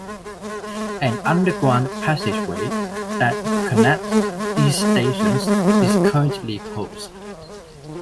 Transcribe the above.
An underground passageway that connects these stations is currently closed.